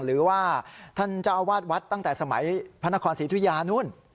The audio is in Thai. หรือว่าท่านเจ้าอาวาสวัดตั้งแต่สมัยพระนครศรีธุยานู้น